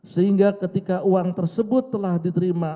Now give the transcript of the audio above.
sehingga ketika uang tersebut telah diterima